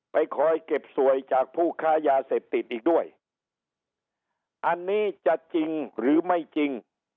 คอยเก็บสวยจากผู้ค้ายาเสพติดอีกด้วยอันนี้จะจริงหรือไม่จริง